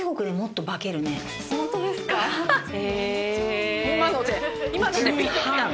え！